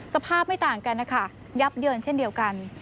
สภาพไม่ต่างกันนะคะยับเยินเช่นเดียวกัน